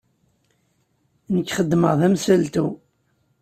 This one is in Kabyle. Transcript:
Nekk xeddmeɣ d amsaltu.